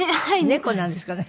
猫なんですかね。